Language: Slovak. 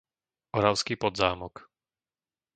Oravský Podzámok